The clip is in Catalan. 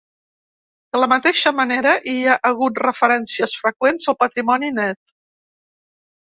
De la mateixa manera, hi ha hagut referències freqüents al patrimoni net.